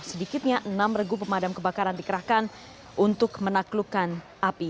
sedikitnya enam regu pemadam kebakaran dikerahkan untuk menaklukkan api